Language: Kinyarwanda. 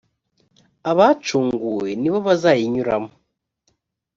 abacunguwe ni bo bazayinyuramo.